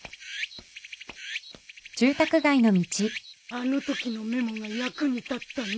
あのときのメモが役に立ったね。